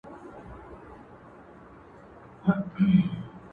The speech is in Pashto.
سیاه پوسي ده؛ افغانستان دی؛